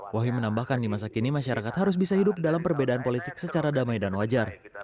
wahyu menambahkan di masa kini masyarakat harus bisa hidup dalam perbedaan politik secara damai dan wajar